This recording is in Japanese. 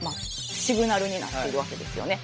シグナルになってるわけですよね。